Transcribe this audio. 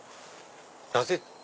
なぜ。